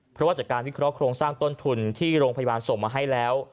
เพราะว่าจากการวิเคราะห์โครงสร้างต้นทุนที่โรงพยาบาลส่งมาให้แล้ว